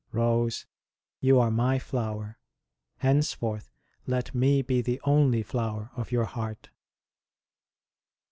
Rose, you are My flower ! Henceforth let Me be the only flower of your heart